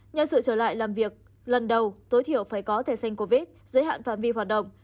nhân sự trở lại làm việc lần đầu tối thiểu phải có teh covid giới hạn phạm vi hoạt động